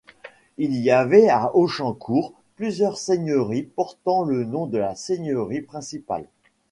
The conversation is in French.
Il y avait à Ochancourt plusieurs seigneuries portant le nom de la seigneurie principale.